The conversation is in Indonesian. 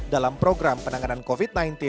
dalam program penanganan covid sembilan belas